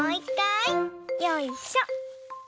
よいしょ。